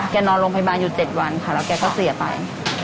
นอนโรงพยาบาลอยู่๗วันค่ะแล้วแกก็เสียไป